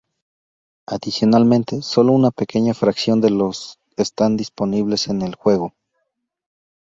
Adicionalmente, solo una pequeña fracción de los están disponibles en el juego.